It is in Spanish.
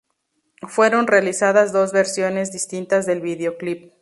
Fueron realizadas dos versiones distintas del videoclip.